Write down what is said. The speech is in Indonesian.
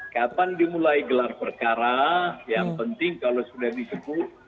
kapan dimulai gelar perkara yang penting kalau sudah disebut